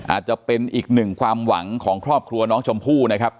อาจจะเป็นอีกหนึ่งความหวังของครอบครัวน้องชมพู่นะครับ